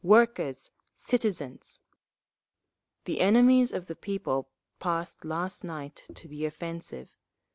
WORKERS! CITIZENS! The enemies of the people passed last night to the offensive.